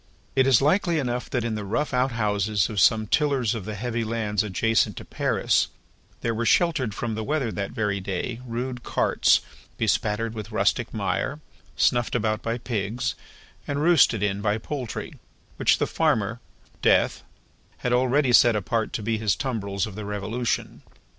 It is likely enough that in the rough outhouses of some tillers of the heavy lands adjacent to Paris, there were sheltered from the weather that very day, rude carts, bespattered with rustic mire, snuffed about by pigs, and roosted in by poultry, which the Farmer, Death, had already set apart to be his tumbrils of the Revolution.